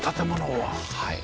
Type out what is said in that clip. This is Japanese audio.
はい。